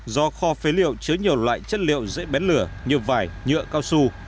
do kho phế liệu chứa nhiều loại chất liệu dễ bén lửa như vải nhựa cao su